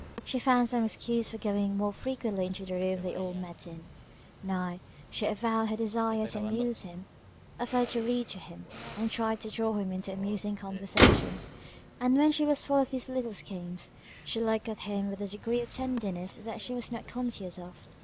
She found some excuse for going more frequently into the room they all met in; nay, she avowed her desire to amuse him: offered to read to him, and tried to draw him into amusing conversations; and when she was full of these little schemes, she looked at him with a degree of tenderness that she was not conscious of.